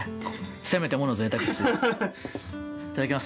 せめてものぜいたくです。